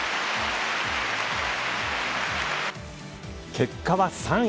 結果は３位。